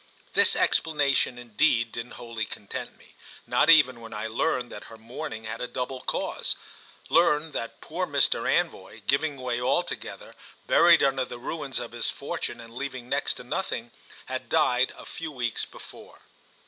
This explanation indeed didn't wholly content me, not even when I learned that her mourning had a double cause—learned that poor Mr. Anvoy, giving way altogether, buried under the ruins of his fortune and leaving next to nothing, had died a few weeks before.